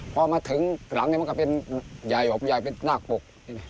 พอมาถึงหลังนี่มันก็เป็นยายอบยายเป็นนากปลก